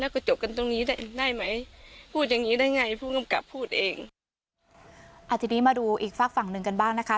อาจจะดีนี้มาดูอีกฝากฝั่งหนึงกันบ้างนะคะ